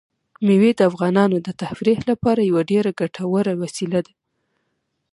مېوې د افغانانو د تفریح لپاره یوه ډېره ګټوره وسیله ده.